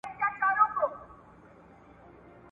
د استادانو احترام کول زمونږ دنده ده.